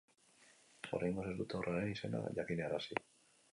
Oraingoz, ez dute haurraren izena jakinarazi.